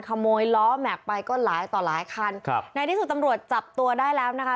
ขโมยล้อแม็กซ์ไปก็หลายต่อหลายคันครับในที่สุดตำรวจจับตัวได้แล้วนะคะ